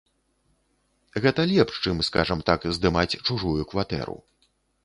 Гэта лепш чым, скажам так, здымаць чужую кватэру.